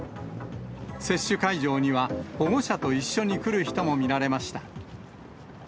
接種会場には保護者と一緒に来る人も見られました。